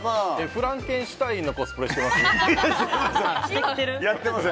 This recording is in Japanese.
フランケンシュタインのコスプレしてます？